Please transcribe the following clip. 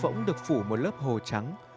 tượng phẫu được phủ một lớp hồ trắng